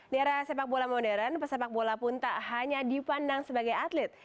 di era sepak bola modern pesepak bola pun tak hanya dipandang sebagai atlet